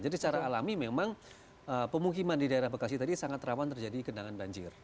jadi secara alami memang pemukiman di daerah bekasi tadi sangat rawan terjadi kendangan banjir